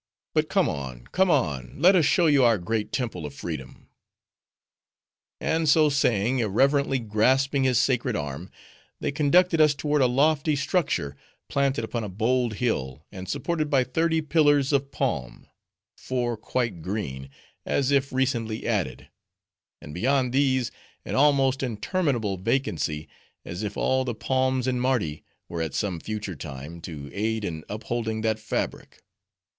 But come on, come on. Let us show you our great Temple of Freedom." And so saying, irreverently grasping his sacred arm, they conducted us toward a lofty structure, planted upon a bold hill, and supported by thirty pillars of palm; four quite green; as if recently added; and beyond these, an almost interminable vacancy, as if all the palms in Mardi, were at some future time, to aid in upholding that fabric.